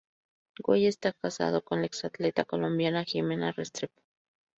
Weil está casado con la exatleta colombiana Ximena Restrepo.